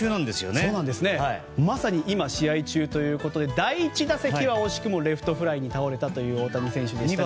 まさに今、試合中ということで第１打席は惜しくもレフトフライに倒れたという大谷選手でしたが。